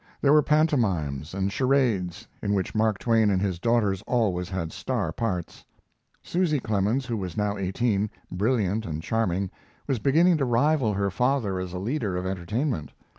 There were pantomimes and charades, in which Mark Twain and his daughters always had star parts. Susy Clemens, who was now eighteen, brilliant and charming, was beginning to rival her father as a leader of entertainment.